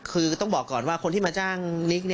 คือต้องบอกก่อนว่าคนที่มาจ้างนิก